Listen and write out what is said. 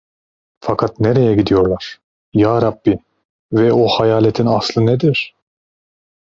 Fakat nereye gidiyorlar, Yarabbi: Ve o hayaletin aslı nedir?